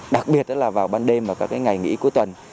đặc biệt vào ban đêm và ngày nghỉ cuối tuần